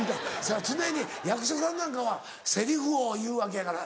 常に役者さんなんかはセリフを言うわけやから。